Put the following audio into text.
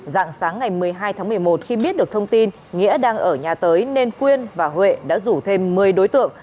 dạng sáng ngày một mươi hai tháng một mươi một khi biết được thông tin nghĩa đang ở nhà tới nên quyên và huệ đã rủ thêm một mươi đối tượng